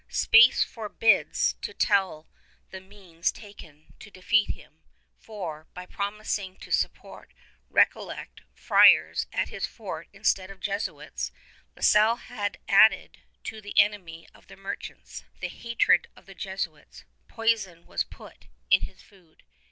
Space forbids to tell of the means taken to defeat him; for, by promising to support Recollet friars at his fort instead of Jesuits, La Salle had added to the enmity of the merchants, the hatred of the Jesuits. Poison was put in his food.